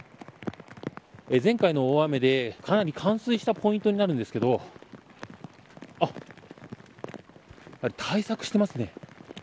前回の大雨でかなり冠水したポイントですが対策していますね。